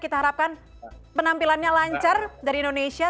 kita harapkan penampilannya lancar dari indonesia